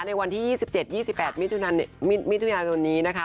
ในวันที่๒๗๒๘มิถุนายนนี้นะคะ